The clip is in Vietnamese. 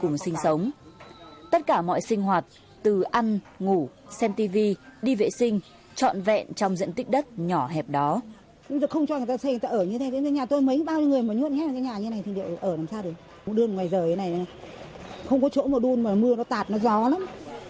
đường ngoài rời này không có chỗ mà đun mà mưa nó tạt nó gió lắm